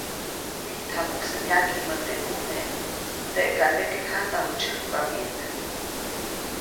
‒Mijt jamusä ʼmaŋgiʼmä teʼ ʼmune, teʼkandeke janawä tsäjkpa wyit-.